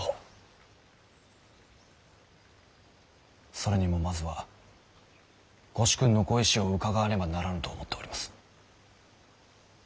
それにもまずはご主君のご意志を伺わねばならぬと思っております。